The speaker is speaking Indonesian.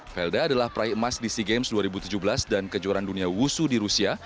velda adalah prai emas di sea games dua ribu tujuh belas dan kejuaraan dunia wusu di rusia